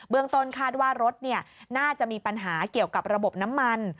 ต้นคาดว่ารถน่าจะมีปัญหาเกี่ยวกับระบบน้ำมัน